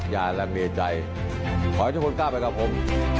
อย่าและมีใจขอให้ทุกคนก้าวไปกับผม